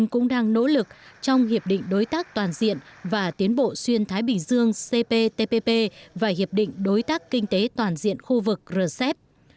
cũng đang nỗ lực trong hiệp định đối tác toàn diện và tiến bộ xuyên thái bình dương cptpp và hiệp định đối tác kinh tế toàn diện khu vực rcep